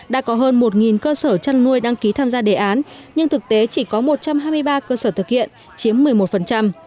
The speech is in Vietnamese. đã có hơn một cơ sở chăn nuôi đăng ký tham gia đề án nhưng thực tế chỉ có một trăm hai mươi ba cơ sở thực hiện chiếm một mươi một